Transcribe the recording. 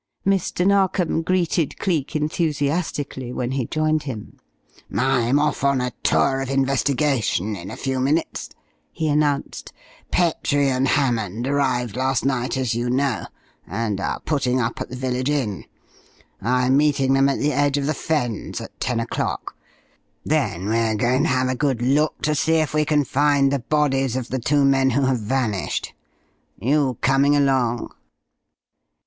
Mr. Narkom greeted Cleek enthusiastically when he joined him. "I'm off on a tour of investigation in a few minutes," he announced. "Petrie and Hammond arrived last night, as you know, and are putting up at the village inn. I'm meeting them at the edge of the Fens at ten o'clock. Then we're going to have a good look to see if we can find the bodies of the two men who have vanished. You coming along?"